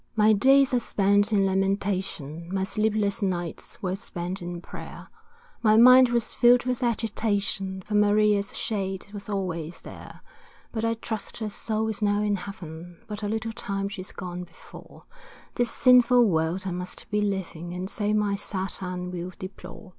My days are spent in lamentation, My sleepless nights were spent in prayer, My mind was filled with agitation, For Maria's shade was always there. But I trust her soul is now in heaven, But a little time she's gone before, This sinful world I must be leaving, And so my sad end will deplore.